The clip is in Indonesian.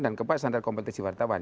dan keempat standar kompetisi wartawan